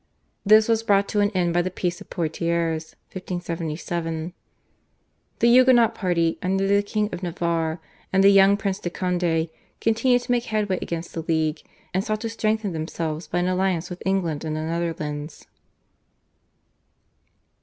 This was brought to an end by the Peace of Poitiers (1577). The Huguenot party, under the King of Navarre and the young Prince de Conde, continued to make headway against the League, and sought to strengthen themselves by an alliance with England and the Netherlands.